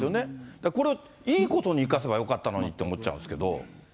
だからこれをいいことに生かせばよかったのにと思っちゃうんです